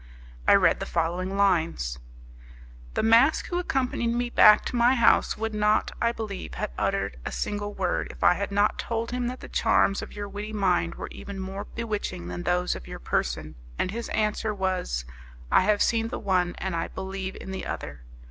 I read the following lines: "The mask who accompanied me back to my house would not, I believe, have uttered a single word, if I had not told him that the charms of your witty mind were even more bewitching than those of your person; and his answer was, 'I have seen the one, and I believe in the other.